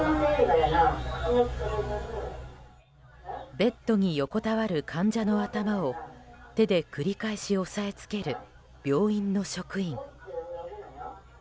ベッドに横たわる患者の頭を手で繰り返し押さえつける病院の職員。